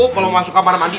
kalo masuk kamar mandi